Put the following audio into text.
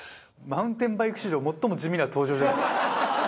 マウンテンバイク史上最も地味な登場じゃないですか？